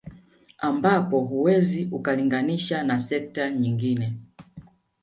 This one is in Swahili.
Ampapo huwezi ukalinganisha na sekta nyingine